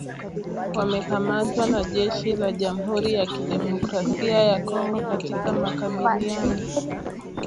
wamekamatwa na jeshi la Jamuhuri ya Demokrasia ya Kongo katika makabiliano